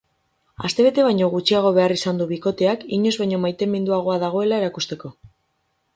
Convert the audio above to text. Astebete baino gutxiago behar izan du bikoteak inoiz baino maiteminduagoa dagoela erakusteko.